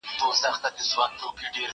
زه مځکي ته کتلې دي!!